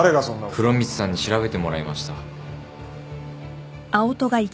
風呂光さんに調べてもらいました。